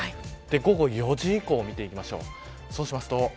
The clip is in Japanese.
午後４時以降見ていきましょう。